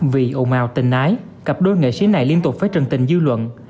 vì ồn ào tình ái cặp đôi nghệ sĩ này liên tục phải trần tình dư luận